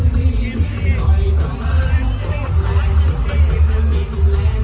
เมื่อมีมีนอยกขวัญทุกคนแรงควรไม่คิดว่ามีทุกนี้แรง